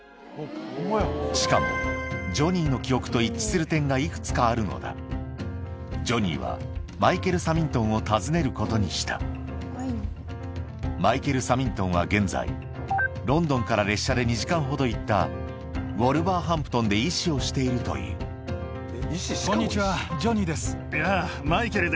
そんな中届いたしかもジョニーはマイケル・サミントンを訪ねることにしたマイケル・サミントンは現在ロンドンから列車で２時間ほど行ったウォルバーハンプトンで医師をしているというこんにちはジョニーです。